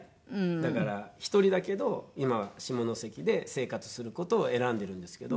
だから１人だけど今は下関で生活する事を選んでるんですけど。